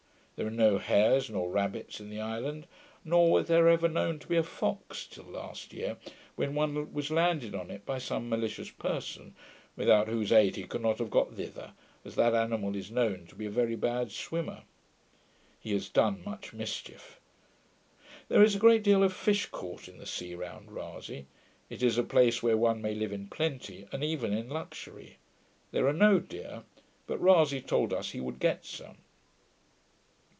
There are no hares nor rabbits in the island, nor was there ever known to be a fox, till last year, when one was landed on it by some malicious person, without whose aid he could not have got thither, as that animal is known to be a very bad swimmer. He has done much mischief. There is a great deal of fish caught in the sea round Rasay; it is a place where one may live in plenty, and even in luxury. There are no deer; but Rasay told us he would get some.